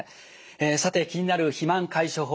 さて気になる肥満解消法